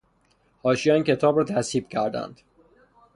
حاشیهٔ آن کتاب را تذهیب کردهاند.